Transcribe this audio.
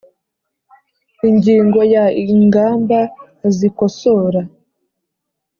Ingingo ya ingamba zikosora